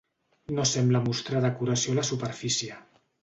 No sembla mostrar decoració a la superfície.